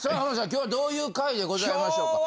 今日はどういう回でございましたか。